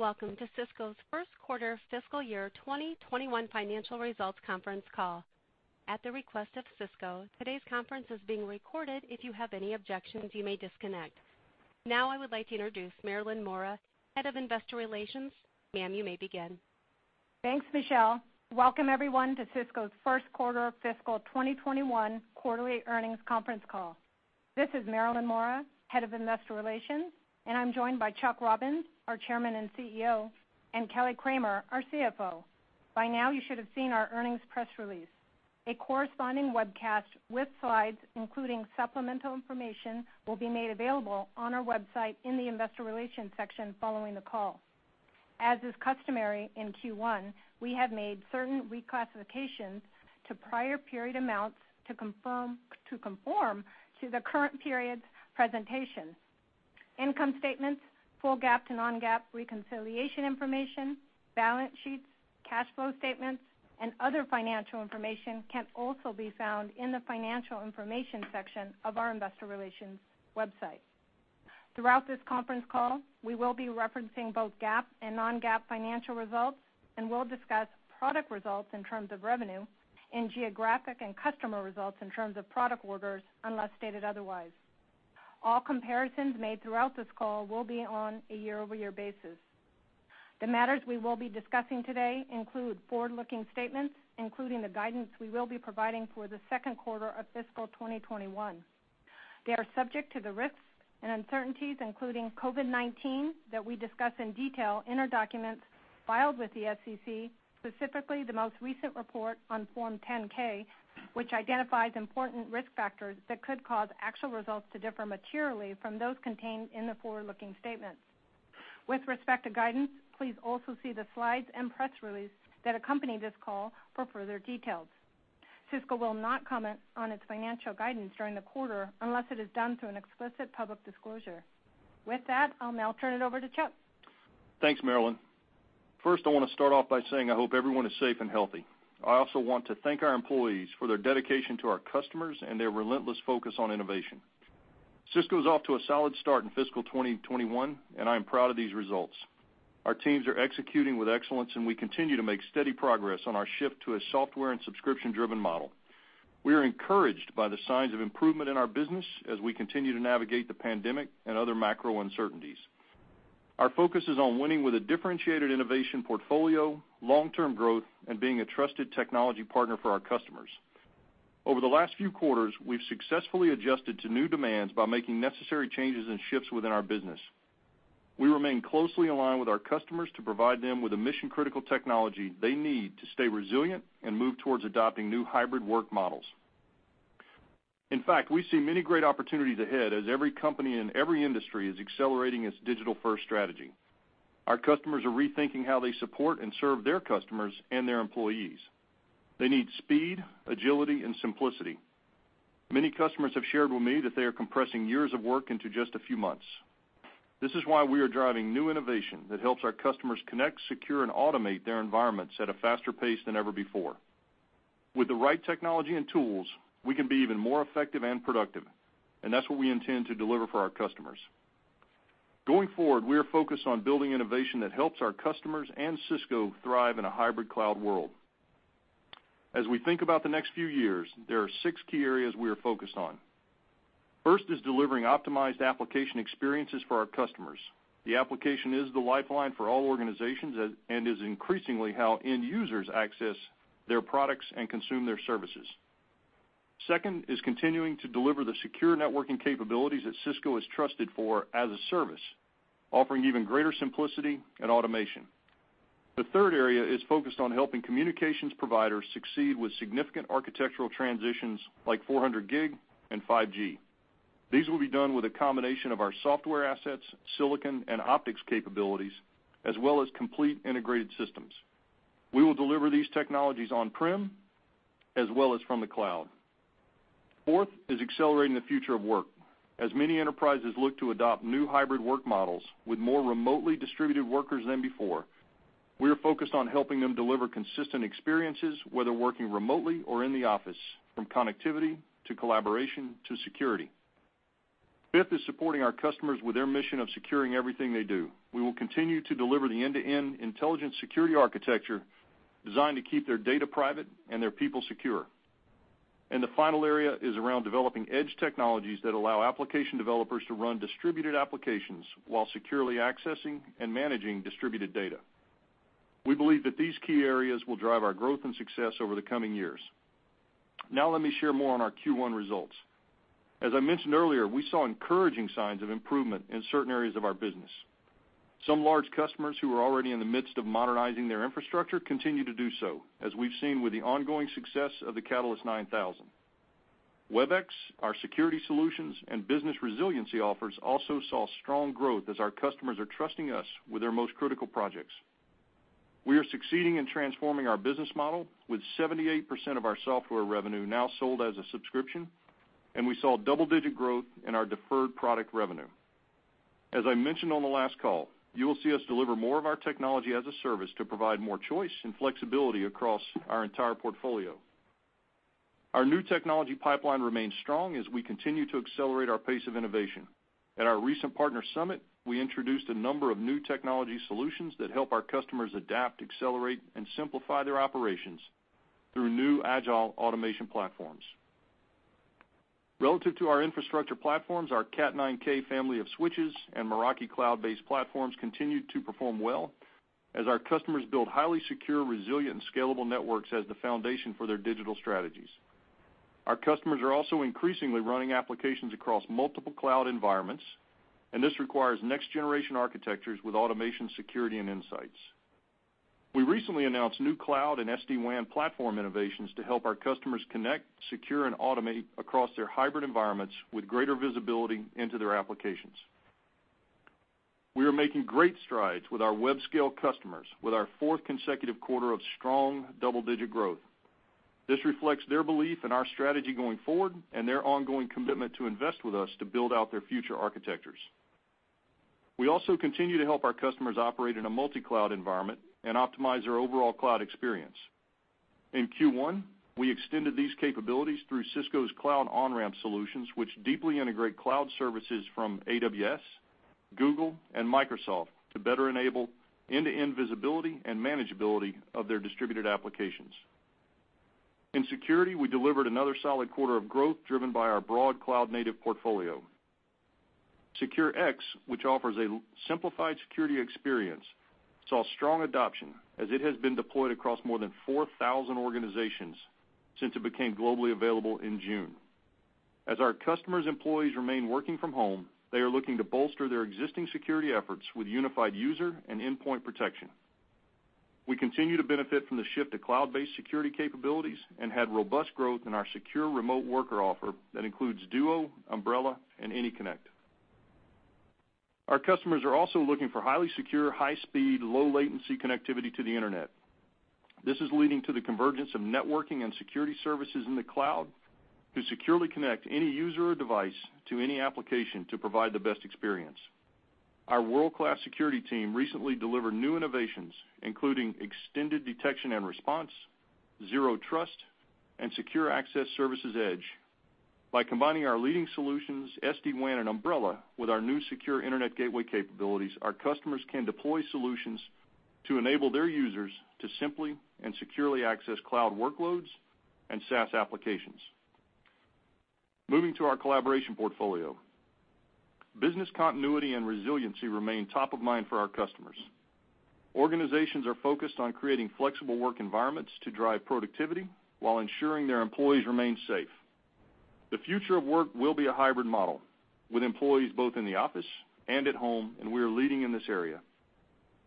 Welcome to Cisco's first quarter fiscal year 2021 financial results conference call. At the request of Cisco, today's conference is being recorded. If you have any objections, you may disconnect. Now I would like to introduce Marilyn Mora, Head of Investor Relations. Ma'am, you may begin. Thanks, Michelle. Welcome, everyone, to Cisco's first quarter fiscal 2021 quarterly earnings conference call. This is Marilyn Mora, Head of Investor Relations, and I'm joined by Chuck Robbins, our Chairman and CEO, and Kelly Kramer, our CFO. By now, you should have seen our earnings press release. A corresponding webcast with slides, including supplemental information, will be made available on our website in the investor relations section following the call. As is customary in Q1, we have made certain reclassifications to prior period amounts to conform to the current period's presentation. Income statements, full GAAP to non-GAAP reconciliation information, balance sheets, cash flow statements, and other financial information can also be found in the financial information section of our investor relations website. Throughout this conference call, we will be referencing both GAAP and non-GAAP financial results, and we'll discuss product results in terms of revenue and geographic and customer results in terms of product orders, unless stated otherwise. All comparisons made throughout this call will be on a year-over-year basis. The matters we will be discussing today include forward-looking statements, including the guidance we will be providing for the second quarter of fiscal 2021. They are subject to the risks and uncertainties, including COVID-19, that we discuss in detail in our documents filed with the SEC, specifically the most recent report on Form 10-K, which identifies important risk factors that could cause actual results to differ materially from those contained in the forward-looking statements. With respect to guidance, please also see the slides and press release that accompany this call for further details. Cisco will not comment on its financial guidance during the quarter unless it is done through an explicit public disclosure. With that, I'll now turn it over to Chuck. Thanks, Marilyn. First, I want to start off by saying I hope everyone is safe and healthy. I also want to thank our employees for their dedication to our customers and their relentless focus on innovation. Cisco is off to a solid start in fiscal 2021, and I am proud of these results. Our teams are executing with excellence, and we continue to make steady progress on our shift to a software and subscription-driven model. We are encouraged by the signs of improvement in our business as we continue to navigate the pandemic and other macro uncertainties. Our focus is on winning with a differentiated innovation portfolio, long-term growth, and being a trusted technology partner for our customers. Over the last few quarters, we've successfully adjusted to new demands by making necessary changes and shifts within our business. We remain closely aligned with our customers to provide them with the mission-critical technology they need to stay resilient and move towards adopting new hybrid work models. In fact, we see many great opportunities ahead as every company in every industry is accelerating its digital-first strategy. Our customers are rethinking how they support and serve their customers and their employees. They need speed, agility, and simplicity. Many customers have shared with me that they are compressing years of work into just a few months. This is why we are driving new innovation that helps our customers connect, secure, and automate their environments at a faster pace than ever before. With the right technology and tools, we can be even more effective and productive, and that's what we intend to deliver for our customers. Going forward, we are focused on building innovation that helps our customers and Cisco thrive in a hybrid cloud world. As we think about the next few years, there are six key areas we are focused on. First is delivering optimized application experiences for our customers. The application is the lifeline for all organizations and is increasingly how end users access their products and consume their services. Second is continuing to deliver the secure networking capabilities that Cisco is trusted for as a service, offering even greater simplicity and automation. The third area is focused on helping communications providers succeed with significant architectural transitions like 400G and 5G. These will be done with a combination of our software assets, silicon, and optics capabilities, as well as complete integrated systems. We will deliver these technologies on-prem as well as from the cloud. Fourth is accelerating the future of work. As many enterprises look to adopt new hybrid work models with more remotely distributed workers than before, we are focused on helping them deliver consistent experiences, whether working remotely or in the office, from connectivity to Collaboration to Security. Fifth is supporting our customers with their mission of securing everything they do. We will continue to deliver the end-to-end intelligent security architecture designed to keep their data private and their people secure. The final area is around developing edge technologies that allow application developers to run distributed applications while securely accessing and managing distributed data. We believe that these key areas will drive our growth and success over the coming years. Now let me share more on our Q1 results. As I mentioned earlier, we saw encouraging signs of improvement in certain areas of our business. Some large customers who are already in the midst of modernizing their infrastructure continue to do so, as we've seen with the ongoing success of the Catalyst 9000. Webex, our Security solutions, and business resiliency offers also saw strong growth as our customers are trusting us with their most critical projects. We are succeeding in transforming our business model, with 78% of our software revenue now sold as a subscription, and we saw double-digit growth in our deferred product revenue. As I mentioned on the last call, you will see us deliver more of our technology as a service to provide more choice and flexibility across our entire portfolio. Our new technology pipeline remains strong as we continue to accelerate our pace of innovation. At our recent partner summit, we introduced a number of new technology solutions that help our customers adapt, accelerate, and simplify their operations through new agile automation platforms. Relative to our infrastructure platforms, our Catalyst 9000 family of switches and Cisco Meraki cloud-based platforms continued to perform well as our customers build highly secure, resilient, scalable networks as the foundation for their digital strategies. Our customers are also increasingly running applications across multiple cloud environments, and this requires next-generation architectures with automation, security, and insights. We recently announced new cloud and SD-WAN platform innovations to help our customers connect, secure, and automate across their hybrid environments with greater visibility into their applications. We are making great strides with our web-scale customers, with our fourth consecutive quarter of strong double-digit growth. This reflects their belief in our strategy going forward and their ongoing commitment to invest with us to build out their future architectures. We also continue to help our customers operate in a multi-cloud environment and optimize their overall cloud experience. In Q1, we extended these capabilities through Cisco's Cloud OnRamp solutions, which deeply integrate cloud services from AWS, Google, and Microsoft to better enable end-to-end visibility and manageability of their distributed applications. In Security, we delivered another solid quarter of growth driven by our broad cloud-native portfolio. SecureX, which offers a simplified security experience, saw strong adoption as it has been deployed across more than 4,000 organizations since it became globally available in June. As our customers' employees remain working from home, they are looking to bolster their existing security efforts with unified user and endpoint protection. We continue to benefit from the shift to cloud-based security capabilities and had robust growth in our secure remote worker offer that includes Cisco Duo, Cisco Umbrella, and Cisco AnyConnect. Our customers are also looking for highly secure, high-speed, low-latency connectivity to the internet. This is leading to the convergence of networking and security services in the cloud to securely connect any user or device to any application to provide the best experience. Our world-class security team recently delivered new innovations, including Extended Detection and Response, zero trust, and secure access service edge. By combining our leading solutions, SD-WAN, and Cisco Umbrella with our new Secure Internet Gateway capabilities, our customers can deploy solutions to enable their users to simply and securely access cloud workloads and SaaS applications. Moving to our Collaboration portfolio. Business continuity and resiliency remain top of mind for our customers. Organizations are focused on creating flexible work environments to drive productivity while ensuring their employees remain safe. The future of work will be a hybrid model, with employees both in the office and at home, and we are leading in this area.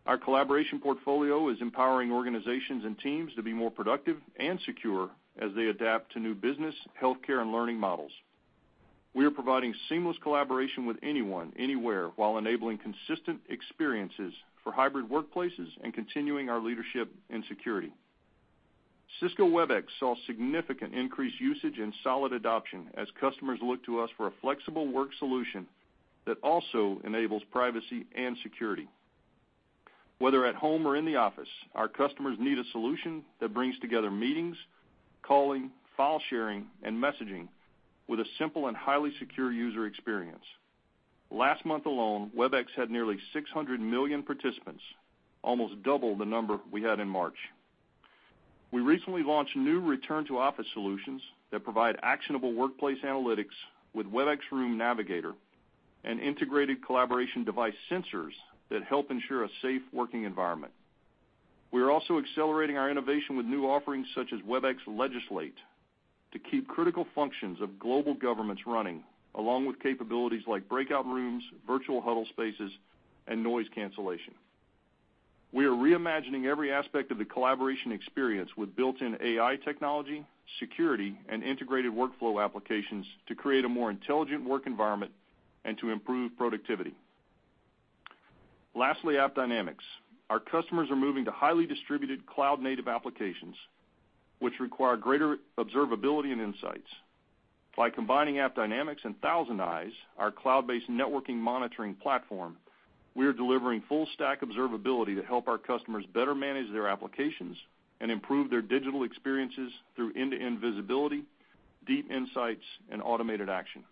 Our Collaboration portfolio is empowering organizations and teams to be more productive and secure as they adapt to new business, healthcare, and learning models. We are providing seamless collaboration with anyone, anywhere, while enabling consistent experiences for hybrid workplaces and continuing our leadership in security. Cisco Webex saw significant increased usage and solid adoption as customers look to us for a flexible work solution that also enables privacy and security. Whether at home or in the office, our customers need a solution that brings together meetings, calling, file sharing, and messaging with a simple and highly secure user experience. Last month alone, Webex had nearly 600 million participants, almost double the number we had in March. We recently launched new return to office solutions that provide actionable workplace analytics with Webex Room Navigator and integrated collaboration device sensors that help ensure a safe working environment. We are also accelerating our innovation with new offerings such as Webex Legislate to keep critical functions of global governments running, along with capabilities like breakout rooms, virtual huddle spaces, and noise cancellation. We are reimagining every aspect of the collaboration experience with built-in AI technology, security, and integrated workflow applications to create a more intelligent work environment and to improve productivity. Lastly, AppDynamics. Our customers are moving to highly distributed cloud-native applications, which require greater observability and insights. By combining AppDynamics and ThousandEyes, our cloud-based networking monitoring platform, we are delivering full-stack observability to help our customers better manage their applications and improve their digital experiences through end-to-end visibility, deep insights, and automated action.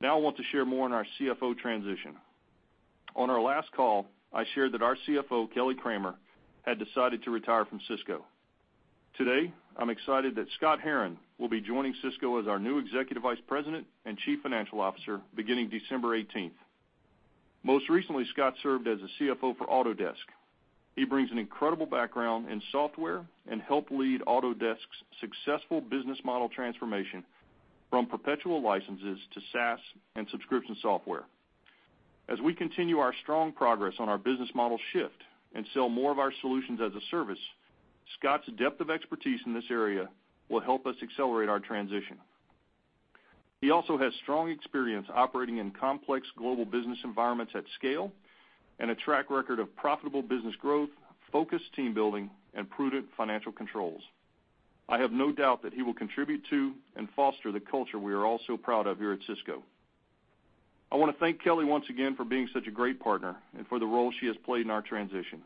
Now I want to share more on our CFO transition. On our last call, I shared that our CFO, Kelly Kramer, had decided to retire from Cisco. Today, I'm excited that Scott Herren will be joining Cisco as our new Executive Vice President and Chief Financial Officer beginning December 18th. Most recently, Scott served as a CFO for Autodesk. He brings an incredible background in software and helped lead Autodesk's successful business model transformation from perpetual licenses to SaaS and subscription software. As we continue our strong progress on our business model shift and sell more of our solutions as a service, Scott's depth of expertise in this area will help us accelerate our transition. He also has strong experience operating in complex global business environments at scale and a track record of profitable business growth, focused team building, and prudent financial controls. I have no doubt that he will contribute to and foster the culture we are all so proud of here at Cisco. I want to thank Kelly once again for being such a great partner and for the role she has played in our transition.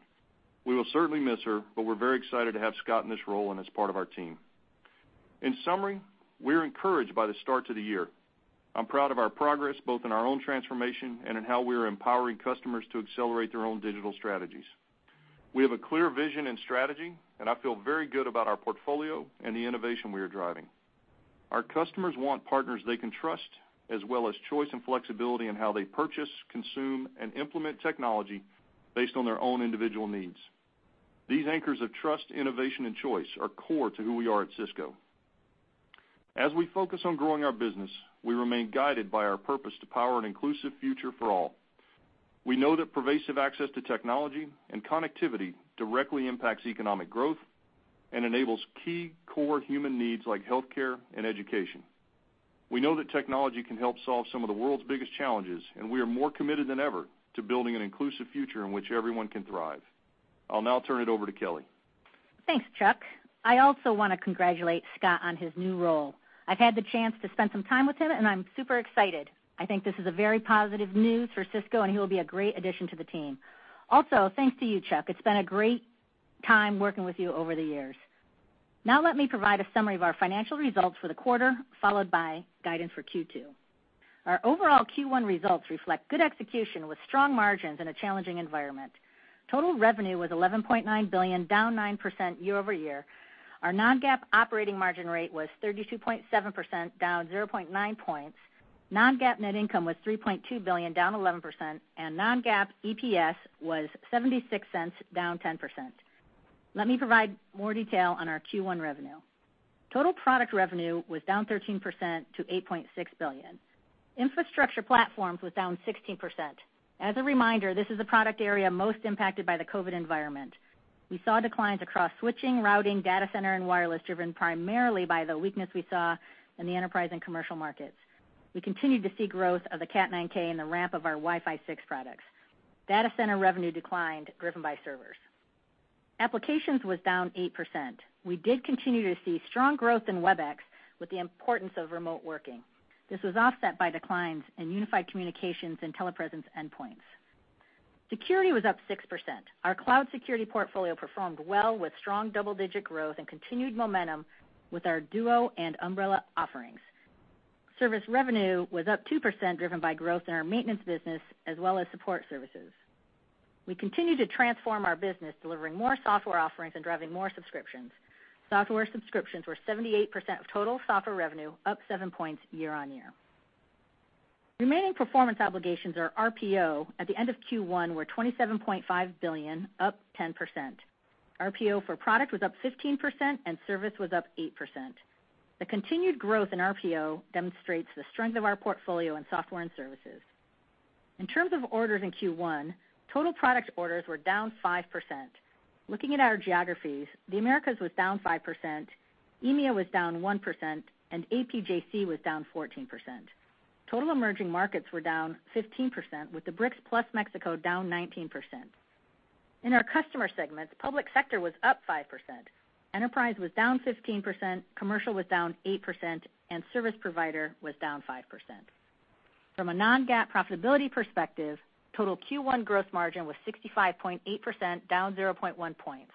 We will certainly miss her, but we're very excited to have Scott in this role and as part of our team. In summary, we're encouraged by the start to the year. I'm proud of our progress, both in our own transformation and in how we are empowering customers to accelerate their own digital strategies. We have a clear vision and strategy, and I feel very good about our portfolio and the innovation we are driving. Our customers want partners they can trust as well as choice and flexibility in how they purchase, consume, and implement technology based on their own individual needs. These anchors of trust, innovation, and choice are core to who we are at Cisco. As we focus on growing our business, we remain guided by our purpose to power an inclusive future for all. We know that pervasive access to technology and connectivity directly impacts economic growth and enables key core human needs like healthcare and education. We know that technology can help solve some of the world's biggest challenges, and we are more committed than ever to building an inclusive future in which everyone can thrive. I'll now turn it over to Kelly. Thanks, Chuck. I also want to congratulate Scott on his new role. I've had the chance to spend some time with him, and I'm super excited. I think this is a very positive news for Cisco, and he will be a great addition to the team. Also, thanks to you, Chuck, it's been a great time working with you over the years. Now let me provide a summary of our financial results for the quarter, followed by guidance for Q2. Our overall Q1 results reflect good execution with strong margins in a challenging environment. Total revenue was $11.9 billion, down 9% year-over-year. Our non-GAAP operating margin rate was 32.7%, down 0.9 points. Non-GAAP net income was $3.2 billion, down 11%, and non-GAAP EPS was $0.76, down 10%. Let me provide more detail on our Q1 revenue. Total product revenue was down 13% to $8.6 billion. Infrastructure platforms was down 16%. As a reminder, this is the product area most impacted by the COVID environment. We saw declines across switching, routing, data center, and wireless, driven primarily by the weakness we saw in the enterprise and commercial markets. We continued to see growth of the Catalyst 9000 and the ramp of our Wi-Fi 6 products. Data center revenue declined, driven by servers. Applications was down 8%. We did continue to see strong growth in Webex with the importance of remote working. This was offset by declines in unified communications and telepresence endpoints. Security was up 6%. Our Cloud Security Portfolio performed well with strong double-digit growth and continued momentum with our Duo and Umbrella offerings. Service revenue was up 2%, driven by growth in our maintenance business as well as support services. We continue to transform our business, delivering more software offerings and driving more subscriptions. Software subscriptions were 78% of total software revenue, up seven points year-on-year. Remaining performance obligations or RPO at the end of Q1 were $27.5 billion, up 10%. RPO for product was up 15% and service was up 8%. The continued growth in RPO demonstrates the strength of our portfolio in software and services. In terms of orders in Q1, total product orders were down 5%. Looking at our geographies, the Americas was down 5%, EMEA was down 1%, and APJC was down 14%. Total emerging markets were down 15%, with the BRICS plus Mexico down 19%. In our customer segments, public sector was up 5%, enterprise was down 15%, commercial was down 8%, and service provider was down 5%. From a non-GAAP profitability perspective, total Q1 gross margin was 65.8%, down 0.1 points.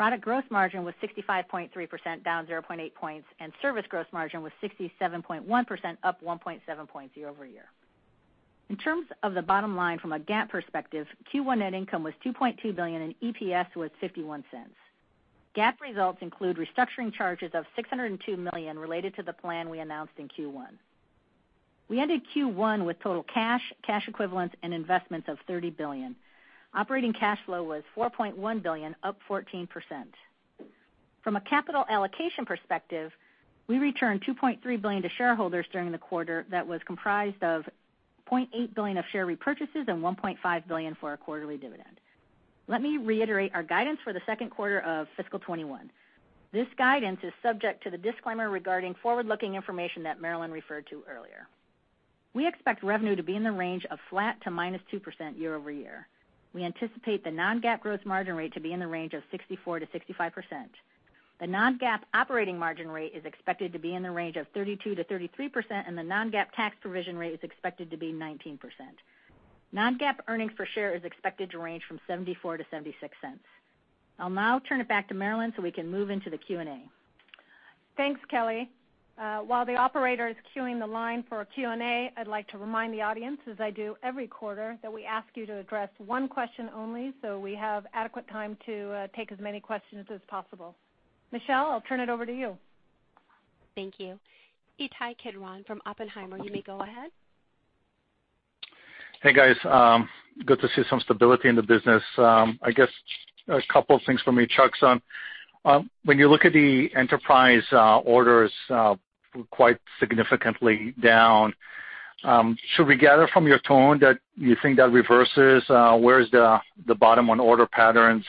Product gross margin was 65.3%, down 0.8 points, and service gross margin was 67.1%, up 1.7 points year-over-year. In terms of the bottom line from a GAAP perspective, Q1 net income was $2.2 billion and EPS was $0.51. GAAP results include restructuring charges of $602 million related to the plan we announced in Q1. We ended Q1 with total cash, cash equivalents, and investments of $30 billion. Operating cash flow was $4.1 billion, up 14%. From a capital allocation perspective, we returned $2.3 billion to shareholders during the quarter that was comprised of $0.8 billion of share repurchases and $1.5 billion for our quarterly dividend. Let me reiterate our guidance for the second quarter of fiscal 2021. This guidance is subject to the disclaimer regarding forward-looking information that Marilyn referred to earlier. We expect revenue to be in the range of flat to -2% year-over-year. We anticipate the non-GAAP gross margin rate to be in the range of 64%-65%. The non-GAAP operating margin rate is expected to be in the range of 32%-33%, and the non-GAAP tax provision rate is expected to be 19%. Non-GAAP earnings per share is expected to range from $0.74-$0.76. I'll now turn it back to Marilyn so we can move into the Q&A. Thanks, Kelly. While the operator is queuing the line for Q&A, I'd like to remind the audience, as I do every quarter, that we ask you to address one question only so we have adequate time to take as many questions as possible. Michelle, I'll turn it over to you. Thank you. Ittai Kidron from Oppenheimer, you may go ahead. Hey, guys. Good to see some stability in the business. I guess a couple of things for me, Chuck. When you look at the enterprise orders quite significantly down, should we gather from your tone that you think that reverses? Where is the bottom on order patterns?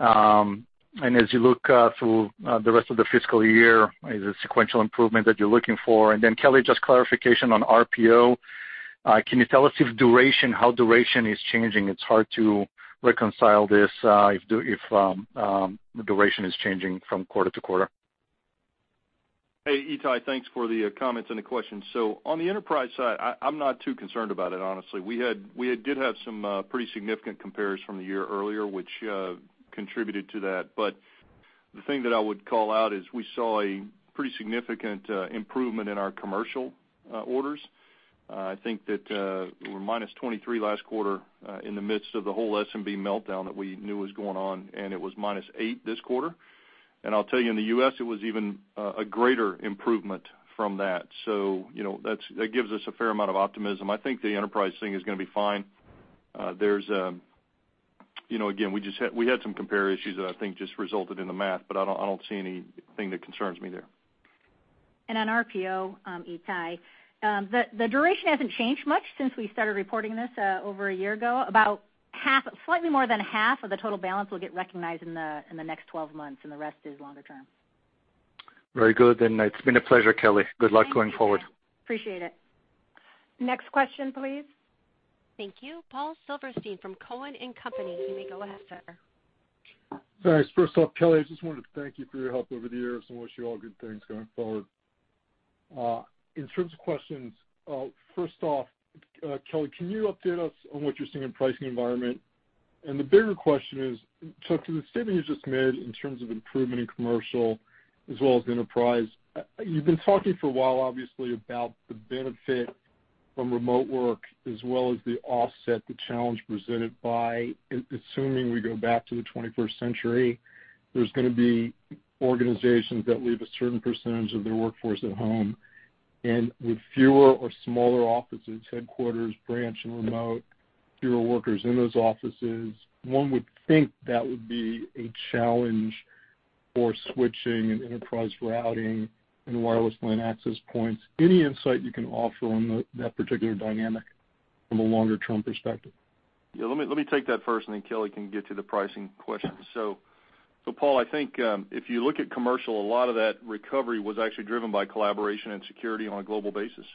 As you look through the rest of the fiscal year, is it sequential improvement that you're looking for? Then Kelly, just clarification on RPO. Can you tell us if duration, how duration is changing? It's hard to reconcile this if the duration is changing from quarter-to-quarter. Hey, Ittai. Thanks for the comments and the questions. On the enterprise side, I'm not too concerned about it, honestly. We did have some pretty significant compares from the year earlier, which contributed to that. The thing that I would call out is we saw a pretty significant improvement in our commercial orders. I think that we were -23% last quarter in the midst of the whole SMB meltdown that we knew was going on, and it was -8% this quarter. I'll tell you, in the U.S., it was even a greater improvement from that. That gives us a fair amount of optimism. I think the enterprise thing is going to be fine. Again, we had some compare issues that I think just resulted in the math, but I don't see anything that concerns me there. On RPO, Ittai, the duration hasn't changed much since we started reporting this over a year ago. Slightly more than half of the total balance will get recognized in the next 12 months, and the rest is longer term. Very good. It's been a pleasure, Kelly. Good luck going forward. Appreciate it. Next question, please. Thank you. Paul Silverstein from Cowen and Company. You may go ahead, sir. Thanks. First off, Kelly, I just wanted to thank you for your help over the years and wish you all good things going forward. In terms of questions, first off, Kelly, can you update us on what you're seeing in pricing environment? The bigger question is, so to the statement you just made in terms of improvement in commercial as well as enterprise, you've been talking for a while, obviously, about the benefit from remote work as well as the offset, the challenge presented by assuming we go back to the 21st century, there's going to be organizations that leave a certain percentage of their workforce at home. With fewer or smaller offices, headquarters, branch, and remote, fewer workers in those offices, one would think that would be a challenge for switching and enterprise routing and wireless LAN access points. Any insight you can offer on that particular dynamic from a longer-term perspective? Yeah, let me take that first, and then Kelly can get to the pricing question. Paul, I think if you look at commercial, a lot of that recovery was actually driven by Collaboration and Security on a global basis.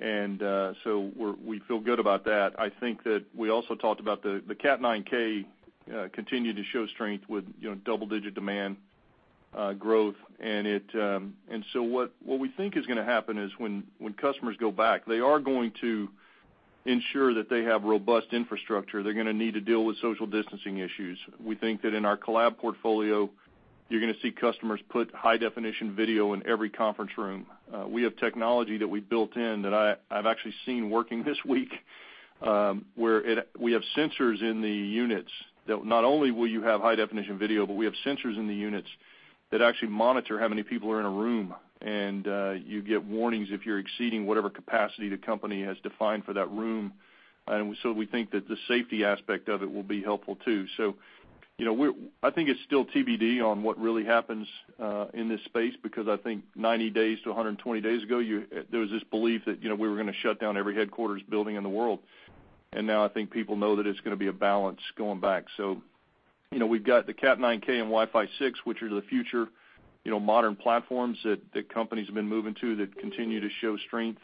We feel good about that. I think that we also talked about the Catalyst 9000 continued to show strength with double-digit demand growth. What we think is going to happen is when customers go back, they are going to ensure that they have robust infrastructure. They're going to need to deal with social distancing issues. We think that in our Collaboration portfolio, you're going to see customers put high-definition video in every conference room. We have technology that we built in that I've actually seen working this week, where we have sensors in the units that not only will you have high-definition video, but we have sensors in the units that actually monitor how many people are in a room, and you get warnings if you're exceeding whatever capacity the company has defined for that room. We think that the safety aspect of it will be helpful, too. I think it's still TBD on what really happens in this space, because I think 90 days to 120 days ago, there was this belief that we were going to shut down every headquarters building in the world. Now I think people know that it's going to be a balance going back. We've got the Catalyst 9000 and Wi-Fi 6, which are the future modern platforms that companies have been moving to that continue to show strength.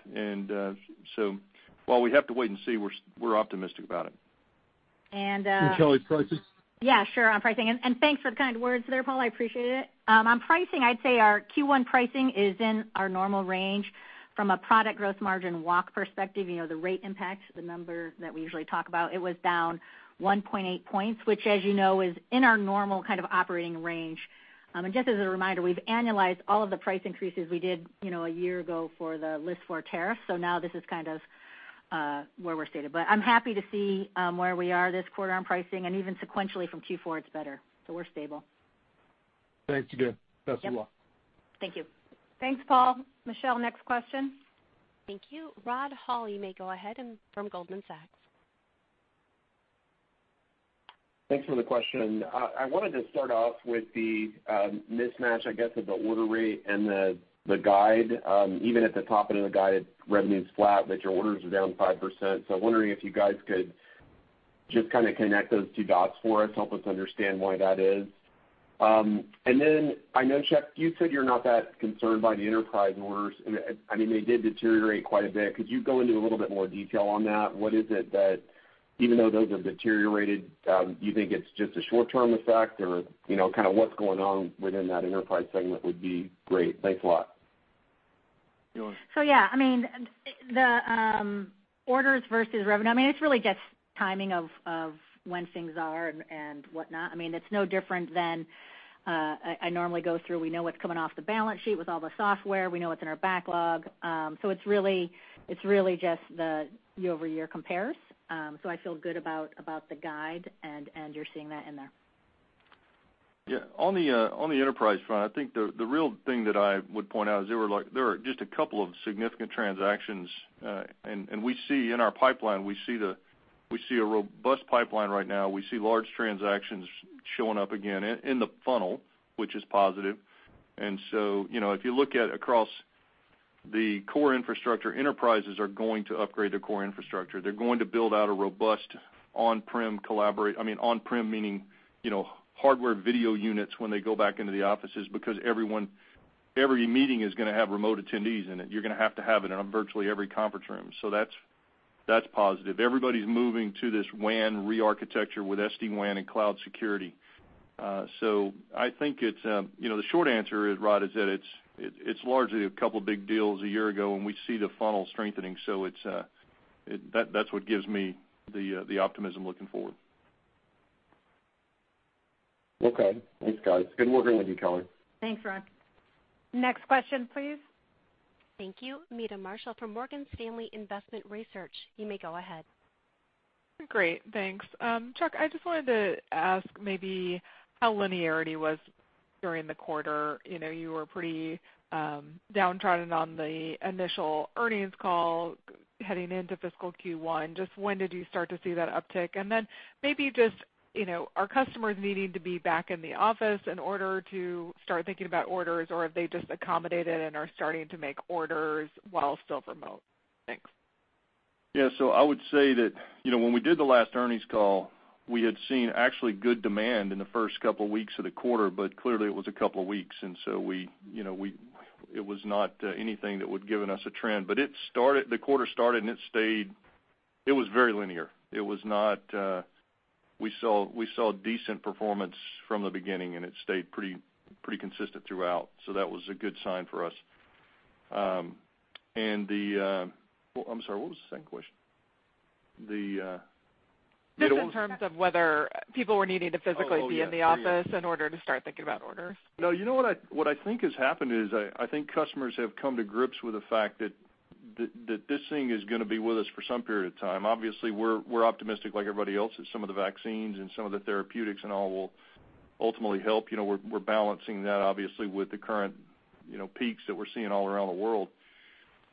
While we have to wait and see, we're optimistic about it. Kelly, pricing? Yeah, sure on pricing. Thanks for the kind words there, Paul. I appreciate it. On pricing, I'd say our Q1 pricing is in our normal range from a product gross margin walk perspective, the rate impact, the number that we usually talk about, it was down 1.8 points, which as you know is in our normal kind of operating range. Just as a reminder, we've annualized all of the price increases we did a year ago for the List-4 tariff. Now this is kind of where we're stated. I'm happy to see where we are this quarter on pricing and even sequentially from Q4, it's better. We're stable. Thanks again. Best of luck. Thank you. Thanks, Paul. Michelle, next question. Thank you. Rod Hall, you may go ahead, and from Goldman Sachs. Thanks for the question. I wanted to start off with the mismatch, I guess, of the order rate and the guide. Even at the top end of the guide, revenue's flat, but your orders are down 5%. I'm wondering if you guys could just kind of connect those two dots for us, help us understand why that is. I know, Chuck, you said you're not that concerned by the enterprise orders. I mean, they did deteriorate quite a bit. Could you go into a little bit more detail on that? What is it that even though those have deteriorated, do you think it's just a short-term effect? Kind of what's going on within that enterprise segment would be great. Thanks a lot. Yeah, I mean, the orders versus revenue, I mean, it's really just timing of when things are and whatnot. I mean, it's no different than I normally go through. We know what's coming off the balance sheet with all the software. We know what's in our backlog. It's really just the year-over-year compares. I feel good about the guide and you're seeing that in there. Yeah, on the enterprise front, I think the real thing that I would point out is there are just a couple of significant transactions. We see in our pipeline, we see a robust pipeline right now. We see large transactions showing up again in the funnel, which is positive. If you look at across the core infrastructure, enterprises are going to upgrade their core infrastructure. They're going to build out a robust on-prem Collaboration. I mean, on-prem meaning hardware video units when they go back into the offices, because every meeting is going to have remote attendees in it. You're going to have to have it in virtually every conference room. That's positive. Everybody's moving to this WAN re-architecture with SD-WAN and cloud security. I think the short answer, Rod, is that it's largely a couple of big deals a year ago, and we see the funnel strengthening. That's what gives me the optimism looking forward. Okay. Thanks, guys. Good working with you, Kelly. Thanks, Rod. Next question, please. Thank you. Meta Marshall from Morgan Stanley Investment Research, you may go ahead. Great, thanks. Chuck, I just wanted to ask maybe how linearity was during the quarter. You were pretty downtrodden on the initial earnings call heading into fiscal Q1. Just when did you start to see that uptick? Maybe just, are customers needing to be back in the office in order to start thinking about orders, or have they just accommodated and are starting to make orders while still remote? Thanks. Yeah. I would say that when we did the last earnings call, we had seen actually good demand in the first couple of weeks of the quarter, but clearly it was a couple of weeks, and so it was not anything that would given us a trend. The quarter started, and it was very linear. We saw decent performance from the beginning, and it stayed pretty consistent throughout, so that was a good sign for us. I'm sorry, what was the second question? Just in terms of whether people were needing to physically be in the office in order to start thinking about orders. No, what I think has happened is I think customers have come to grips with the fact that this thing is going to be with us for some period of time. Obviously, we're optimistic like everybody else that some of the vaccines and some of the therapeutics and all will ultimately help. We're balancing that obviously with the current peaks that we're seeing all around the world.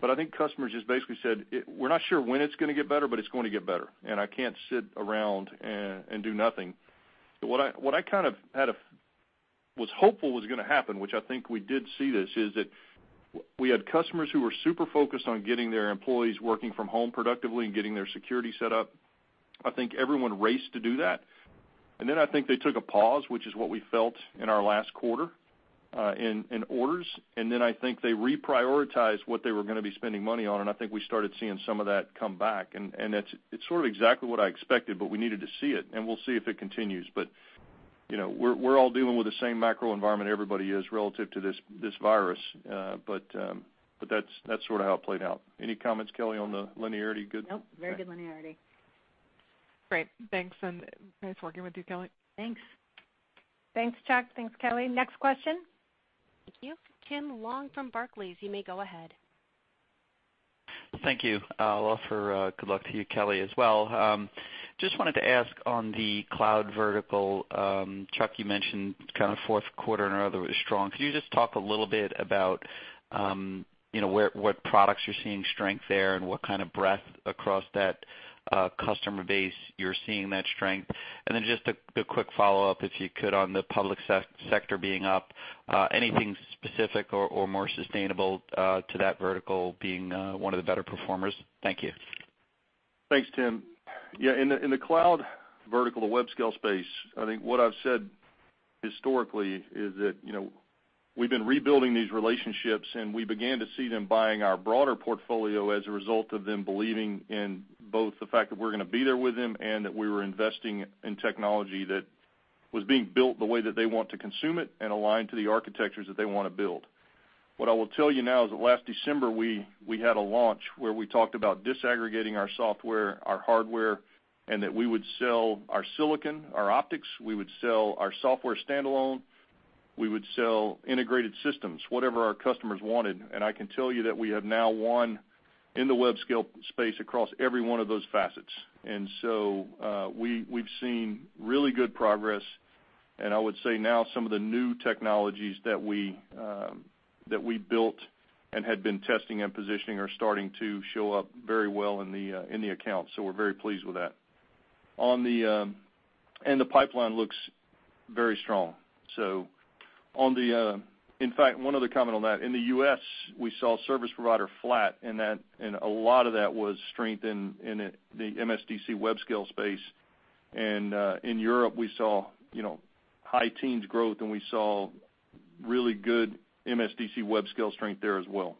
I think customers just basically said, "We're not sure when it's going to get better, but it's going to get better, and I can't sit around and do nothing." What I kind of was hopeful was going to happen, which I think we did see this, is that we had customers who were super focused on getting their employees working from home productively and getting their security set up. I think everyone raced to do that, and then I think they took a pause, which is what we felt in our last quarter, in orders, and then I think they reprioritized what they were going to be spending money on, and I think we started seeing some of that come back, and it's sort of exactly what I expected, but we needed to see it, and we'll see if it continues. We're all dealing with the same macro environment everybody is relative to this virus, but that's sort of how it played out. Any comments, Kelly, on the linearity good? Nope, very good linearity. Great. Thanks, and nice working with you, Kelly. Thanks. Thanks, Chuck. Thanks, Kelly. Next question. Thank you. Tim Long from Barclays, you may go ahead. Thank you. I'll offer good luck to you, Kelly, as well. Just wanted to ask on the cloud vertical, Chuck, you mentioned kind of fourth quarter and other was strong. Can you just talk a little bit about what products you're seeing strength there and what kind of breadth across that customer base you're seeing that strength? Just a quick follow-up, if you could, on the public sector being up. Anything specific or more sustainable to that vertical being one of the better performers? Thank you. Thanks, Tim. Yeah, in the cloud vertical, the web scale space, I think what I've said historically is that we've been rebuilding these relationships, and we began to see them buying our broader portfolio as a result of them believing in both the fact that we're going to be there with them and that we were investing in technology that was being built the way that they want to consume it and aligned to the architectures that they want to build. What I will tell you now is that last December, we had a launch where we talked about disaggregating our software, our hardware, and that we would sell our silicon, our optics, we would sell our software standalone, we would sell integrated systems, whatever our customers wanted. I can tell you that we have now won in the web scale space across every one of those facets. We've seen really good progress, and I would say now some of the new technologies that we built and had been testing and positioning are starting to show up very well in the accounts. We're very pleased with that. The pipeline looks very strong. In fact, one other comment on that. In the U.S., we saw service provider flat, and a lot of that was strength in the MSDC web scale space. In Europe, we saw high teens growth, and we saw really good MSDC web scale strength there as well.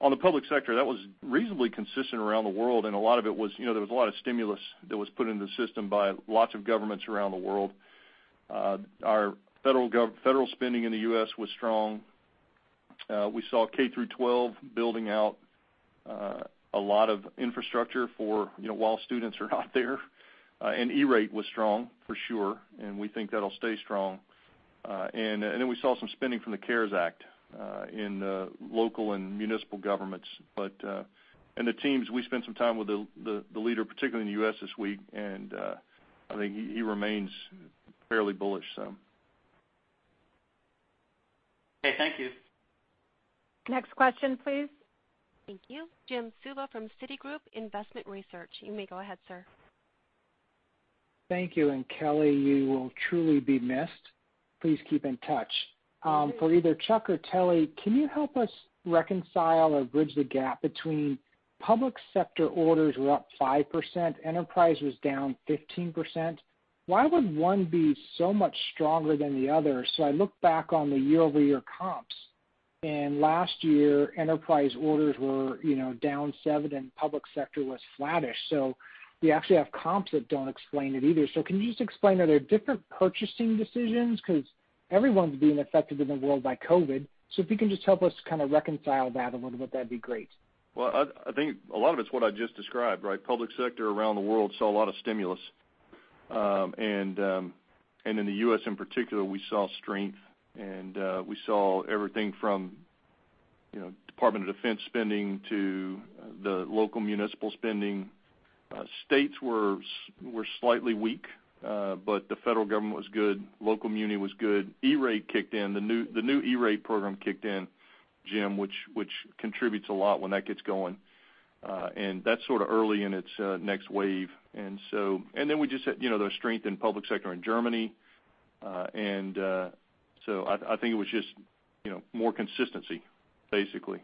On the public sector, that was reasonably consistent around the world, and there was a lot of stimulus that was put into the system by lots of governments around the world. Our federal spending in the U.S. was strong. We saw K-12 building out a lot of infrastructure while students are not there. E-Rate was strong, for sure, and we think that'll stay strong. We saw some spending from the CARES Act in local and municipal governments. The teams, we spent some time with the leader, particularly in the U.S. this week, and I think he remains fairly bullish, so Okay, thank you. Next question, please. Thank you. Jim Suva from Citigroup Investment Research. You may go ahead, sir. Thank you. Kelly, you will truly be missed. Please keep in touch. Thank you. For either Chuck or Kelly, can you help us reconcile or bridge the gap between public sector orders were up 5%, enterprise was down 15%? Why would one be so much stronger than the other? I look back on the year-over-year comps. Last year, enterprise orders were down seven and public sector was flattish. We actually have comps that don't explain it either. Can you just explain, are there different purchasing decisions? Because everyone's being affected in the world by COVID, so if you can just help us kind of reconcile that a little bit, that'd be great. Well, I think a lot of it's what I just described, right. Public sector around the world saw a lot of stimulus. In the U.S. in particular, we saw strength and we saw everything from Department of Defense spending to the local municipal spending. States were slightly weak, the federal government was good. Local muni was good. E-Rate kicked in. The new E-Rate program kicked in, Jim, which contributes a lot when that gets going. That's sort of early in its next wave. We just hit the strength in public sector in Germany. I think it was just more consistency, basically.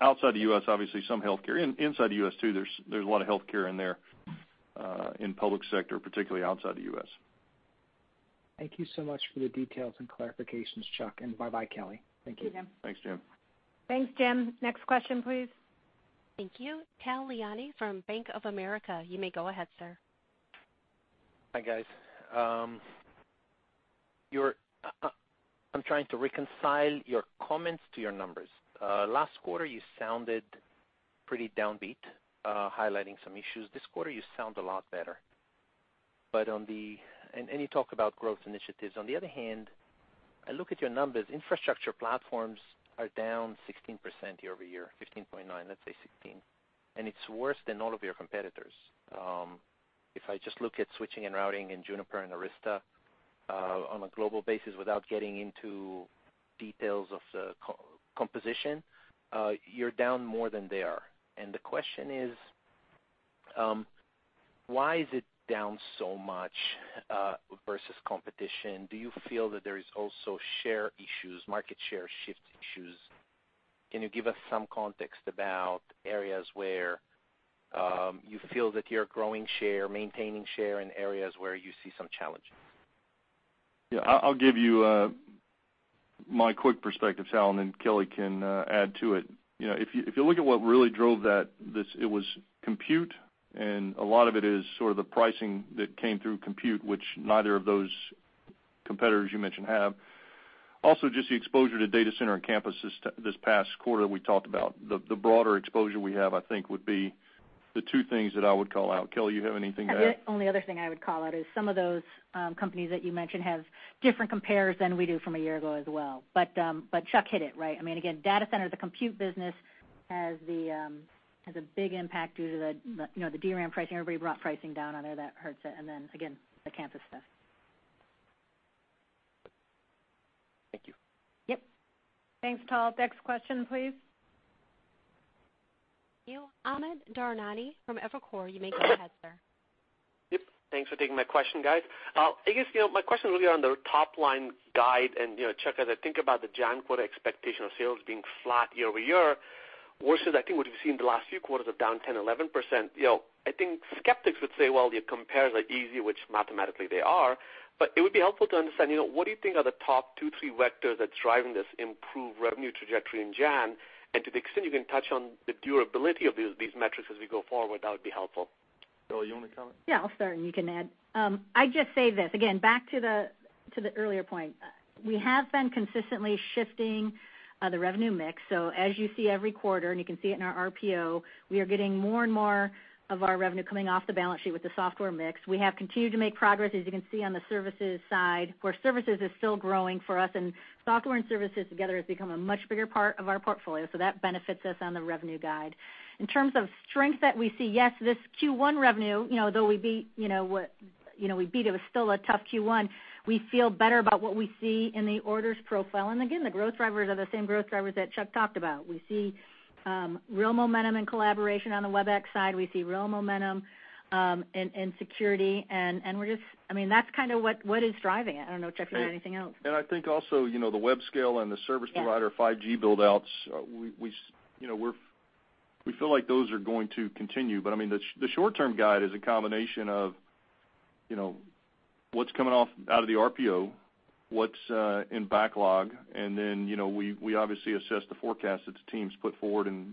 Outside the U.S., obviously, some healthcare. Inside the U.S. too, there's a lot of healthcare in there in public sector, particularly outside the U.S. Thank you so much for the details and clarifications, Chuck, and bye-bye, Kelly. Thank you. Thanks, Jim. Thanks, Jim. Next question, please. Thank you. Tal Liani from Bank of America, you may go ahead, sir. Hi, guys. I'm trying to reconcile your comments to your numbers. Last quarter, you sounded pretty downbeat, highlighting some issues. This quarter you sound a lot better. You talk about growth initiatives. On the other hand, I look at your numbers, infrastructure platforms are down 16% year-over-year, 15.9%, let's say 16%. It's worse than all of your competitors. If I just look at switching and routing in Juniper and Arista on a global basis without getting into details of the composition, you're down more than they are. The question is, why is it down so much versus competition? Do you feel that there is also share issues, market share shift issues? Can you give us some context about areas where you feel that you're growing share, maintaining share, and areas where you see some challenges? I'll give you my quick perspective, Tal, then Kelly can add to it. If you look at what really drove that, it was compute, and a lot of it is sort of the pricing that came through compute, which neither of those competitors you mentioned have. Just the exposure to data center and campus this past quarter we talked about. The broader exposure we have, I think would be the two things that I would call out. Kelly, you have anything to add? The only other thing I would call out is some of those companies that you mentioned have different compares than we do from a year ago as well. Chuck hit it, right. I mean, again, data center, the compute business has a big impact due to the DRAM pricing. Everybody brought pricing down on there, that hurts it, and then again, the campus stuff. Thank you. Yep. Thanks, Tal. Next question, please. Thank you. Amit Daryanani from Evercore, you may go ahead, sir. Yep, thanks for taking my question, guys. I guess my question really on the top line guide and, Chuck, as I think about the January quarter expectation of sales being flat year-over-year, versus I think what we've seen the last few quarters of down 10%, 11%. I think skeptics would say, well, your compares are easy, which mathematically they are, but it would be helpful to understand, what do you think are the top two, three vectors that's driving this improved revenue trajectory in January? To the extent you can touch on the durability of these metrics as we go forward, that would be helpful. Kelly, you want to comment? Yeah, I'll start and you can add. I'd just say this, again, back to the earlier point. We have been consistently shifting the revenue mix. As you see every quarter, and you can see it in our RPO, we are getting more and more of our revenue coming off the balance sheet with the software mix. We have continued to make progress, as you can see on the services side, where services is still growing for us, and software and services together has become a much bigger part of our portfolio, so that benefits us on the revenue guide. In terms of strength that we see, yes, this Q1 revenue, though we beat it, was still a tough Q1. We feel better about what we see in the orders profile. Again, the growth drivers are the same growth drivers that Chuck talked about. We see real momentum and collaboration on the Webex side. We see real momentum in Security, and that's kind of what is driving it. I don't know, Chuck, if you have anything else. I think also the web scale and the service provider 5G build-outs, we feel like those are going to continue. I mean, the short-term guide is a combination of what's coming off out of the RPO, what's in backlog, and then we obviously assess the forecast that the teams put forward, and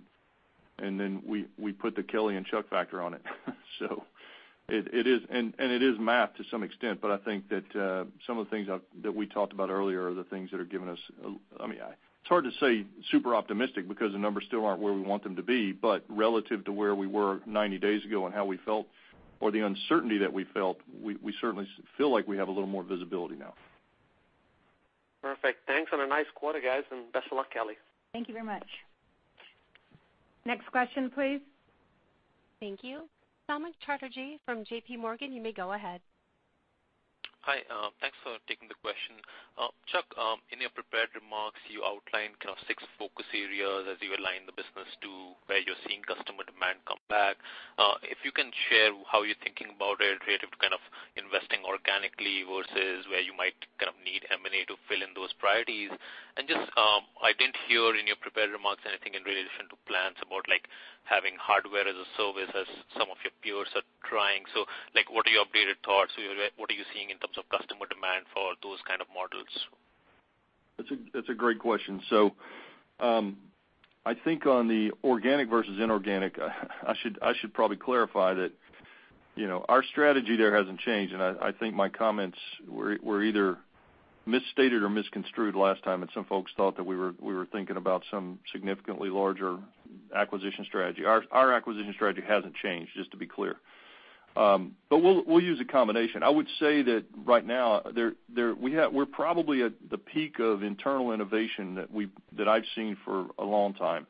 then we put the Kelly and Chuck factor on it. It is math to some extent, but I think that some of the things that we talked about earlier are the things that are giving us, it's hard to say super optimistic because the numbers still aren't where we want them to be, but relative to where we were 90 days ago and how we felt or the uncertainty that we felt, we certainly feel like we have a little more visibility now. Perfect. Thanks, and a nice quarter, guys, and best of luck, Kelly. Thank you very much. Next question, please. Thank you. Samik Chatterjee from JPMorgan, you may go ahead. Hi, thanks for taking the question. Chuck, in your prepared remarks, you outlined kind of six focus areas as you align the business to where you're seeing customer demand come back. If you can share how you're thinking about it relative to kind of investing organically versus where you might kind of need M&A to fill in those priorities. And just, I didn't hear in your prepared remarks anything in relation to plans about like, having hardware as a service as some of your peers are trying. What are your updated thoughts? What are you seeing in terms of customer demand for those kind of models? That's a great question. I think on the organic versus inorganic, I should probably clarify that our strategy there hasn't changed, and I think my comments were either misstated or misconstrued last time, and some folks thought that we were thinking about some significantly larger acquisition strategy. Our acquisition strategy hasn't changed, just to be clear. We'll use a combination. I would say that right now, we're probably at the peak of internal innovation that I've seen for a long time.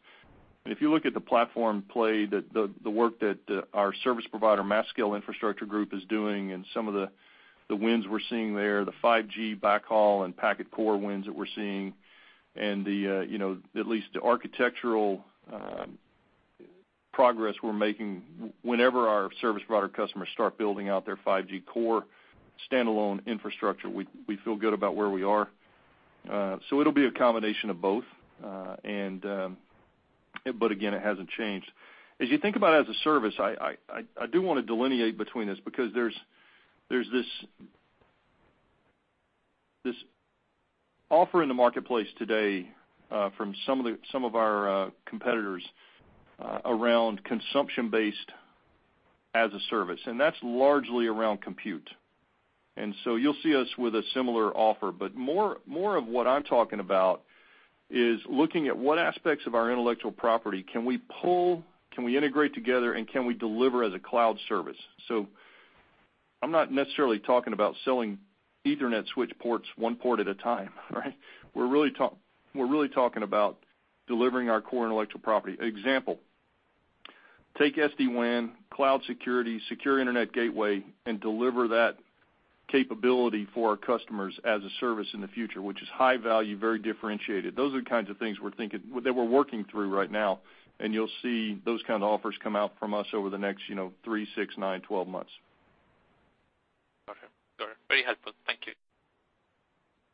If you look at the platform play, the work that our service provider, Mass-Scale Infrastructure Group, is doing, and some of the wins we're seeing there, the 5G backhaul and packet core wins that we're seeing and at least the architectural progress we're making, whenever our service provider customers start building out their 5G core standalone infrastructure, we feel good about where we are. It'll be a combination of both. Again, it hasn't changed. As you think about as-a-service, I do want to delineate between this because there's this offer in the marketplace today, from some of our competitors, around consumption-based as-a-service, and that's largely around compute. You'll see us with a similar offer, but more of what I'm talking about is looking at what aspects of our intellectual property can we pull, can we integrate together, and can we deliver as a cloud service. I'm not necessarily talking about selling Ethernet switch ports one port at a time, right. We're really talking about delivering our core intellectual property. Example, take SD-WAN, Cloud Security, Secure Internet Gateway, and deliver that capability for our customers as a service in the future, which is high value, very differentiated. Those are the kinds of things that we're working through right now, and you'll see those kind of offers come out from us over the next three, six, nine, 12 months. Got it. Very helpful. Thank you.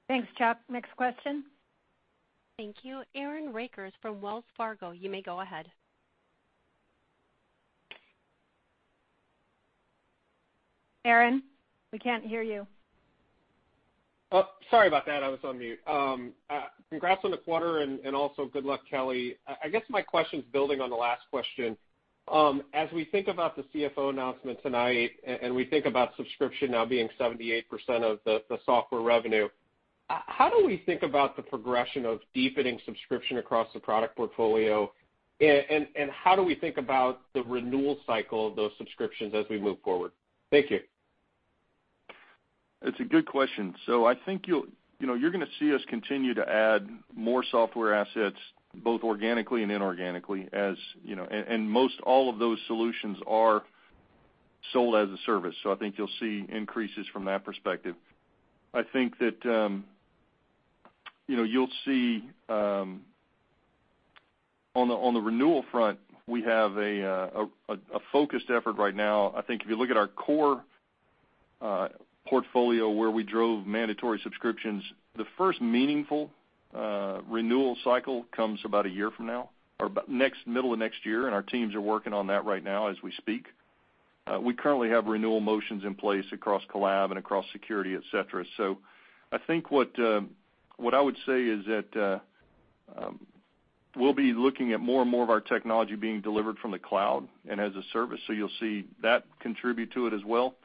Thanks, Chuck. Next question. Thank you. Aaron Rakers from Wells Fargo, you may go ahead. Aaron, we can't hear you. Sorry about that. I was on mute. Congrats on the quarter and also good luck, Kelly. I guess my question's building on the last question. As we think about the CFO announcement tonight, we think about subscription now being 78% of the software revenue, how do we think about the progression of deepening subscription across the product portfolio, and how do we think about the renewal cycle of those subscriptions as we move forward? Thank you. That's a good question. I think you're going to see us continue to add more software assets, both organically and inorganically, and most all of those solutions are sold as a service. I think you'll see increases from that perspective. I think that you'll see, on the renewal front, we have a focused effort right now. I think if you look at our core portfolio where we drove mandatory subscriptions, the first meaningful renewal cycle comes about a year from now, or middle of next year, and our teams are working on that right now as we speak. We currently have renewal motions in place across Collaboration and across Security, et cetera. I think what I would say is that we'll be looking at more and more of our technology being delivered from the cloud and as a service, so you'll see that contribute to it as well.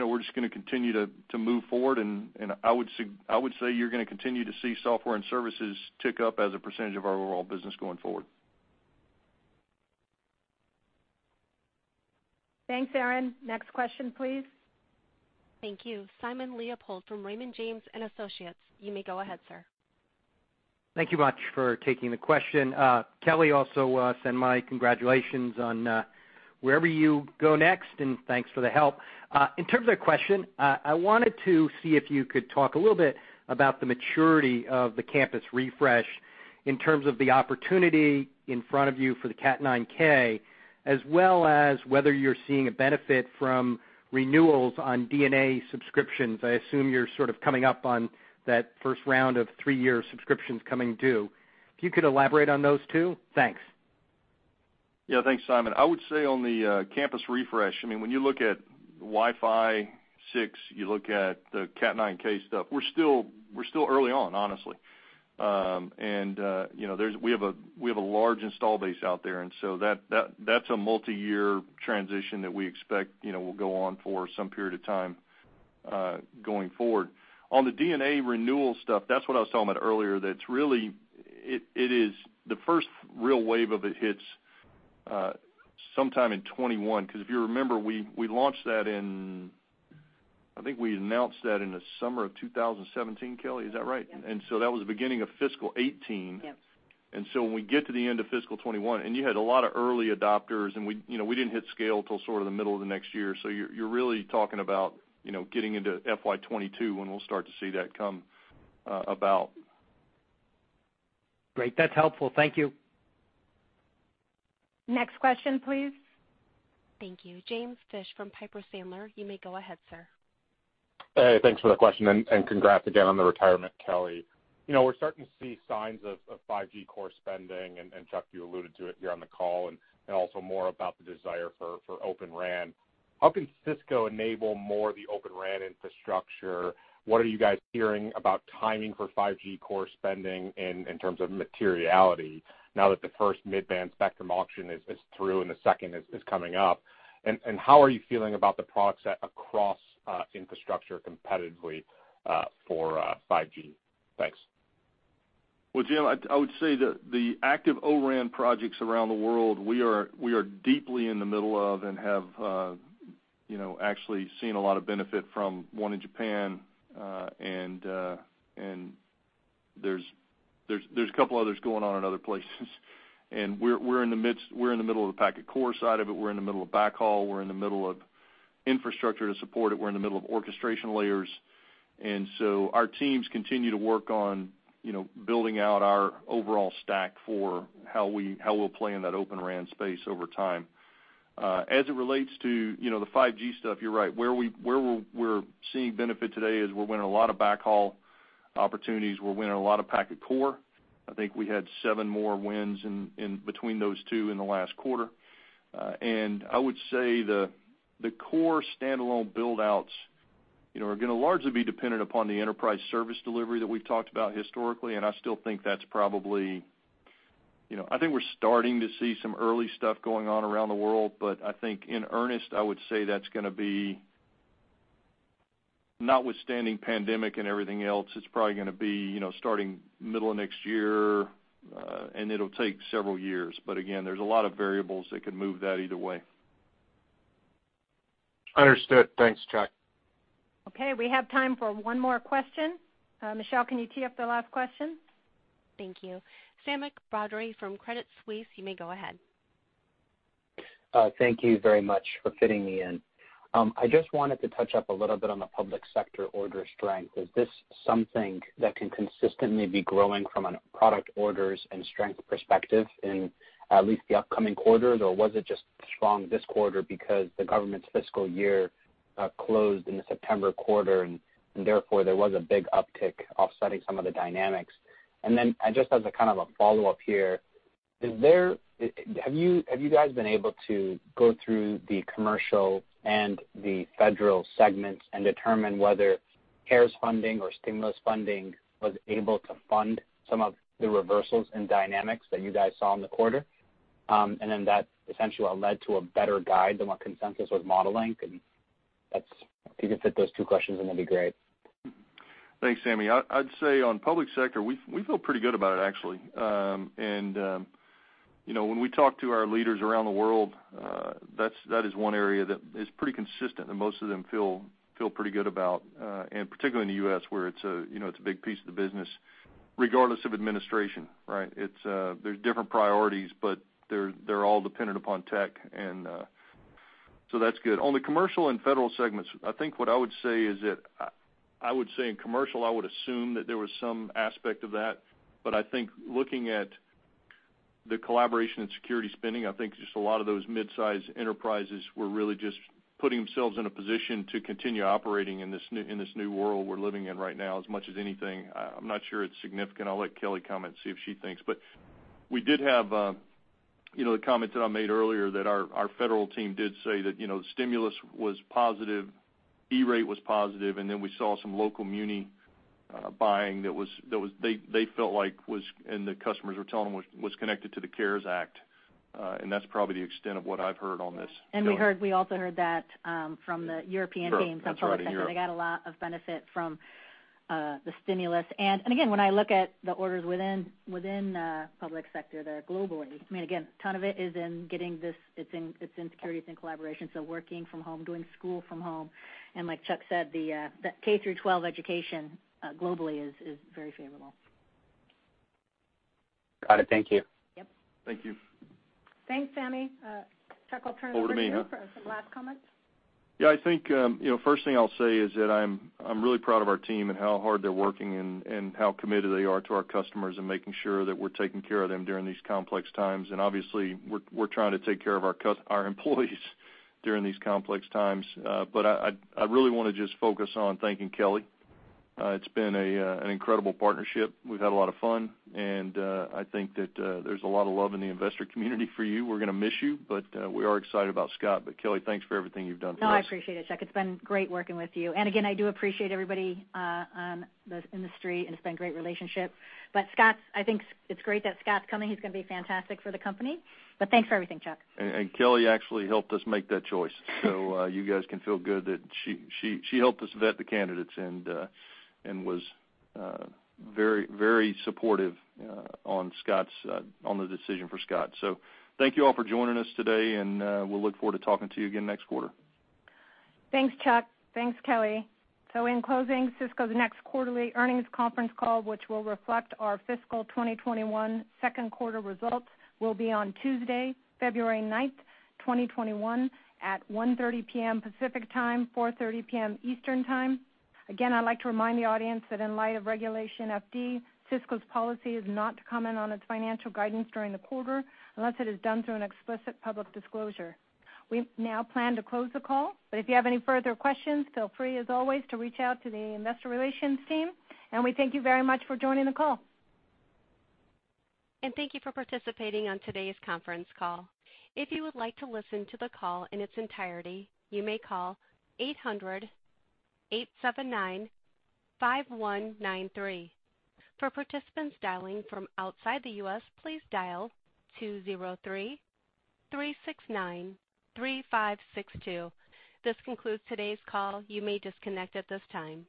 We're just going to continue to move forward, and I would say you're going to continue to see software and services tick up as a percentage of our overall business going forward. Thanks, Aaron. Next question, please. Thank you. Simon Leopold from Raymond James & Associates. You may go ahead, sir. Thank you much for taking the question. Kelly, also send my congratulations on wherever you go next, and thanks for the help. In terms of the question, I wanted to see if you could talk a little bit about the maturity of the campus refresh in terms of the opportunity in front of you for the Catalyst 9000, as well as whether you're seeing a benefit from renewals on DNA subscriptions. I assume you're sort of coming up on that first round of three-year subscriptions coming due. If you could elaborate on those two? Thanks. Yeah, thanks, Simon. I would say on the campus refresh, when you look at Wi-Fi 6, you look at the Catalyst 9000 stuff, we're still early on, honestly. We have a large install base out there, and so that's a multi-year transition that we expect will go on for some period of time going forward. On the DNA renewal stuff, that's what I was talking about earlier, that the first real wave of it hits sometime in 2021. If you remember, we launched that in I think we announced that in the summer of 2017, Kelly, is that right? Yes. That was the beginning of fiscal 2018. Yes. When we get to the end of fiscal 2021, and you had a lot of early adopters, and we didn't hit scale till sort of the middle of the next year, you're really talking about getting into FY 2022 when we'll start to see that come about. Great. That's helpful. Thank you. Next question, please. Thank you. James Fish from Piper Sandler. You may go ahead, sir. Hey, thanks for the question, and congrats again on the retirement, Kelly. We're starting to see signs of 5G core spending, and Chuck, you alluded to it here on the call, and also more about the desire for Open RAN. How can Cisco enable more of the Open RAN infrastructure? What are you guys hearing about timing for 5G core spending in terms of materiality now that the first mid-band spectrum auction is through and the second is coming up? How are you feeling about the product set across infrastructure competitively for 5G? Thanks. Well, Jim, I would say the active O-RAN projects around the world, we are deeply in the middle of and have actually seen a lot of benefit from one in Japan. There's a couple others going on in other places. We're in the middle of the packet core side of it, we're in the middle of backhaul, we're in the middle of infrastructure to support it. We're in the middle of orchestration layers. Our teams continue to work on building out our overall stack for how we'll play in that Open RAN space over time. As it relates to the 5G stuff, you're right. Where we're seeing benefit today is we're winning a lot of backhaul opportunities. We're winning a lot of packet core. I think we had seven more wins between those two in the last quarter. I would say the core standalone build-outs are going to largely be dependent upon the enterprise service delivery that we've talked about historically. I think we're starting to see some early stuff going on around the world, but I think in earnest, I would say that's going to be, notwithstanding pandemic and everything else, it's probably going to be starting middle of next year. It'll take several years. Again, there's a lot of variables that could move that either way. Understood. Thanks, Chuck. Okay. We have time for one more question. Michelle, can you tee up the last question? Thank you. Sami Badri from Credit Suisse, you may go ahead. Thank you very much for fitting me in. I just wanted to touch up a little bit on the public sector order strength. Is this something that can consistently be growing from a product orders and strength perspective in at least the upcoming quarters? Was it just strong this quarter because the government's fiscal year closed in the September quarter, and therefore, there was a big uptick offsetting some of the dynamics? Just as a follow-up here, have you guys been able to go through the commercial and the federal segments and determine whether CARES funding or stimulus funding was able to fund some of the reversals in dynamics that you guys saw in the quarter, and then that essentially led to a better guide than what consensus was modeling? If you could fit those two questions in, that'd be great. Thanks, Sami. I'd say on public sector, we feel pretty good about it, actually. When we talk to our leaders around the world, that is one area that is pretty consistent, and most of them feel pretty good about, and particularly in the U.S., where it's a big piece of the business, regardless of administration, right. There's different priorities, but they're all dependent upon tech. That's good. On the commercial and federal segments, I think what I would say is that, I would say in commercial, I would assume that there was some aspect of that, but I think looking at the Collaboration and Security spending, I think just a lot of those mid-size enterprises were really just putting themselves in a position to continue operating in this new world we're living in right now, as much as anything. I'm not sure it's significant. I'll let Kelly comment, see if she thinks. We did have the comment that I made earlier that our federal team did say that the stimulus was positive, E-Rate was positive, and then we saw some local muni buying that they felt like, and the customers were telling them, was connected to the CARES Act. That's probably the extent of what I've heard on this. Kelly. We also heard that from the European team. Sure. That's right. In Europe. Some public sector. They got a lot of benefit from the stimulus. Again, when I look at the orders within public sector there globally, again, a ton of it is in Security, it's in Collaboration, so working from home, doing school from home. Like Chuck said, that K-12 education globally is very favorable. Got it. Thank you. Yep. Thank you. Thanks, Sami. Chuck, I'll turn it to you for some last comments. Yeah, I think first thing I'll say is that I'm really proud of our team and how hard they're working and how committed they are to our customers and making sure that we're taking care of them during these complex times. Obviously, we're trying to take care of our employees during these complex times. I really want to just focus on thanking Kelly. It's been an incredible partnership. We've had a lot of fun. I think that there's a lot of love in the investor community for you. We're going to miss you. We are excited about Scott. Kelly, thanks for everything you've done for us. No, I appreciate it, Chuck. It's been great working with you. Again, I do appreciate everybody in the Street, and it's been a great relationship. I think it's great that Scott's coming. He's going to be fantastic for the company. Thanks for everything, Chuck. Kelly actually helped us make that choice. You guys can feel good that she helped us vet the candidates and was very supportive on the decision for Scott. Thank you all for joining us today, and we'll look forward to talking to you again next quarter. Thanks, Chuck. Thanks, Kelly. In closing, Cisco's next quarterly earnings conference call, which will reflect our fiscal 2021 second quarter results, will be on Tuesday, February 9th, 2021, at 1:30 PM. Pacific Time, 4:30 PM. Eastern Time. Again, I'd like to remind the audience that in light of Regulation FD, Cisco's policy is not to comment on its financial guidance during the quarter unless it is done through an explicit public disclosure. We now plan to close the call, if you have any further questions, feel free, as always, to reach out to the investor relations team. We thank you very much for joining the call. Thank you for participating on today's conference call. If you would like to listen to the call in its entirety, you may call 800-879-5193. For participants dialing from outside the U.S., please dial 203-369-3562. This concludes today's call. You may disconnect at this time.